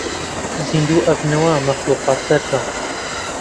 زیندوو ئەبنەوە مەخلووقات سەرجەم